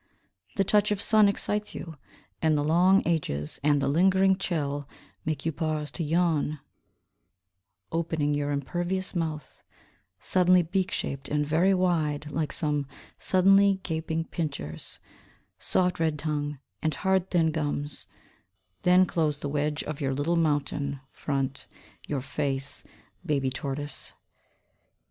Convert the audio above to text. The touch of sun excites you, And the long ages, and the lingering chill Make you pause to yawn, Opening your impervious mouth, Suddenly beak shaped, and very wide, like some suddenly gaping pincers; Soft red tongue, and hard thin gums, Then close the wedge of your little mountain front, Your face, baby tortoise.